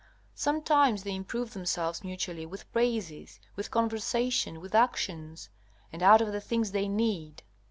Sometimes they improve themselves mutually with praises, with conversation, with actions, and out of the things they need.